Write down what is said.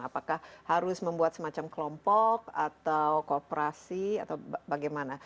apakah harus membuat semacam kelompok atau kooperasi atau bagaimana